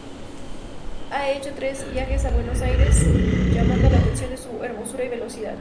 Ha hecho tres viajes a Buenos Aires, llamando la atención su hermosura y velocidad.